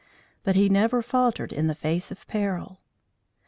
But he never faltered in the face of peril.